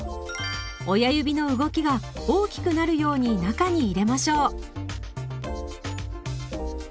親指の動きが大きくなるように中に入れましょう。